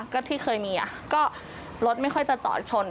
ก็ที่เคยมีก็รถไม่ค่อยจะจอดชน